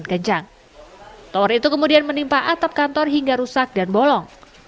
kencang tower itu kemudian menimpa atap kantor hingga rusak dan bolong